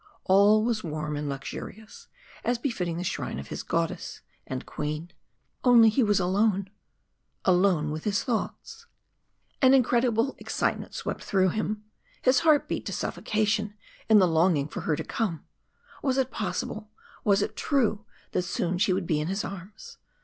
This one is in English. All was warm and luxurious, as befitting the shrine of his goddess and Queen. Only he was alone alone with his thoughts. An incredible excitement swept through him, his heart beat to suffocation in the longing for her to come. Was it possible was it true that soon she would be in his arms?